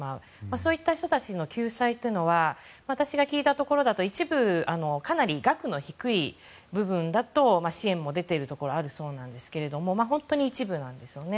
そういった人たちへの救済というのは私が聞いたところでは一部かなり額の低いところだと支援も出ているところがあるそうなんですけれども本当に一部なんですよね。